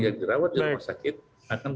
yang dirawat dalam sakit akan